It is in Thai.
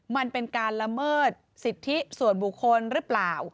มันเป็นการละเมิดสิทธิส่วนบุคคลหรือเปล่า